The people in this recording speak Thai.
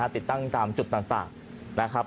ติดตั้งตามจุดต่างนะครับ